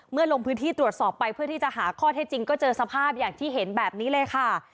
ลงพื้นที่ตรวจสอบไปเพื่อที่จะหาข้อเท็จจริงก็เจอสภาพอย่างที่เห็นแบบนี้เลยค่ะ